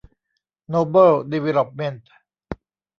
โนเบิล ดีเวลลอปเมนท์